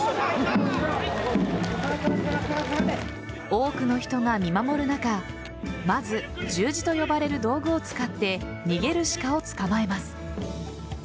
多くの人が見守る中まず、十字と呼ばれる道具を使って逃げる鹿を捕まえます。